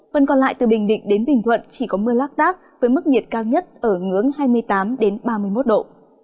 phần còn lại từ bình định đến bình thuận chỉ có mưa lác đác với mức nhiệt cao nhất ở ngưỡng hai mươi tám ba mươi một độ